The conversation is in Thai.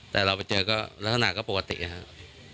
แต่เราไปเจอก็ลักษณะก็ปกตินะครับ